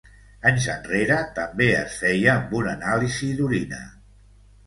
Anys enrere, també es feia amb un anàlisi d’orina.